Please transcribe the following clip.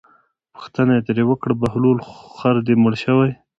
پوښتنه یې ترې وکړه بهلوله خر دې مړ شوی دی.